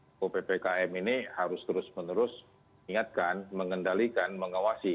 posko ppkm ini harus terus menerus mengendalikan mengawasi